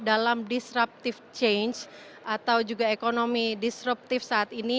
dalam disruptive change atau juga ekonomi disruptif saat ini